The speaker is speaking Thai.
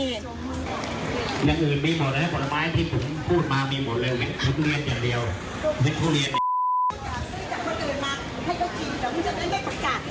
มึงปัดเกงมายักษ์